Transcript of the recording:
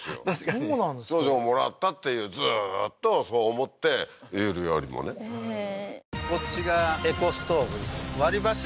そうなんですか長女をもらったっていうずっとそう思っているよりもねふぅ